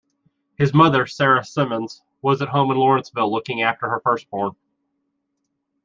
His mother Sara Simmons was at home in Lawrenceville looking after her first-born.